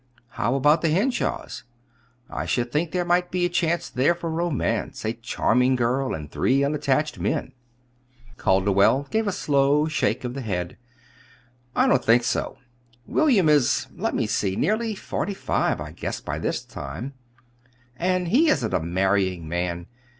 "How about the Henshaws? I should think there might be a chance there for a romance a charming girl, and three unattached men." Calderwell gave a slow shake of the head. "I don't think so. William is let me see nearly forty five, I guess, by this time; and he isn't a marrying man.